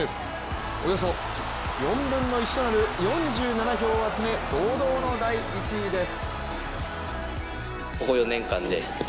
およそ４分の１となる４７票を集め堂々の第１位です。